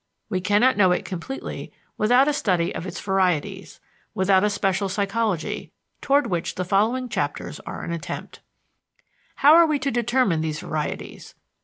We cannot know it completely without a study of its varieties, without a special psychology, toward which the following chapters are an attempt. How are we to determine these varieties?